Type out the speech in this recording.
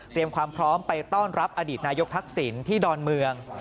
ความพร้อมไปต้อนรับอดีตนายกทักษิณที่ดอนเมือง